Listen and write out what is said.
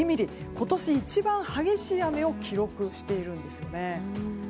今年一番激しい雨を記録しているんですね。